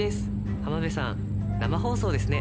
浜辺さん、生放送ですね。